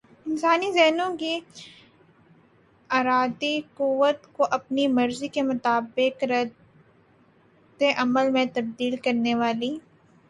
انسانی ذہنوں کی ارادی قوت کو اپنی مرضی کے مطابق ردعمل میں تبدیل کرنے والی